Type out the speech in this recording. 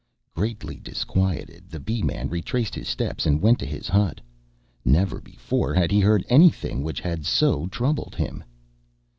Greatly disquieted, the Bee man retraced his steps, and went to his hut. Never before had he heard any thing which had so troubled him.